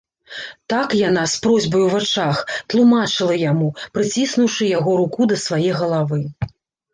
Так яна, з просьбай у вачах, тлумачыла яму, прыціснуўшы яго руку да свае галавы.